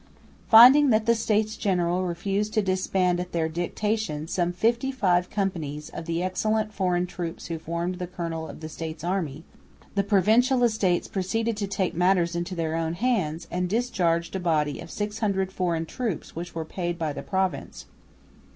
Finding that the States General refused to disband at their dictation some fifty five companies of the excellent foreign troops who formed the kernel of the States' army, the Provincial Estates proceeded to take matters into their own hands, and discharged a body of 600 foreign troops which were paid by the Province.